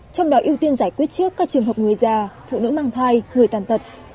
trong đó ưu tiên giải quyết trước các trường hợp người già phụ nữ mang thai người tàn tật